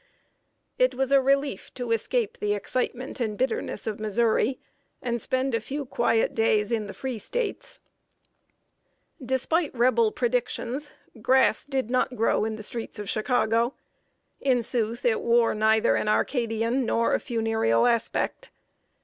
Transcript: It was a relief to escape the excitement and bitterness of Missouri, and spend a few quiet days in the free States. Despite Rebel predictions, grass did not grow in the streets of Chicago. In sooth, it wore neither an Arcadian nor a funereal aspect.